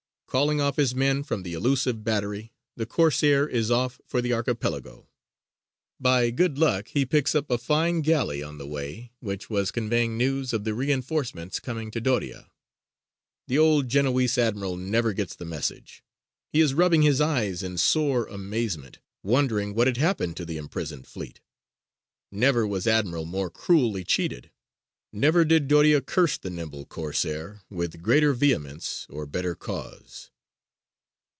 Calling off his men from the illusive battery, the Corsair is off for the Archipelago: by good luck he picks up a fine galley on the way, which was conveying news of the reinforcements coming to Doria. The old Genoese admiral never gets the message: he is rubbing his eyes in sore amazement, wondering what had happened to the imprisoned fleet. Never was admiral more cruelly cheated: never did Doria curse the nimble Corsair with greater vehemence or better cause.